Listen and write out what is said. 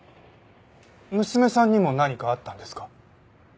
娘さんにも何かあったんですか？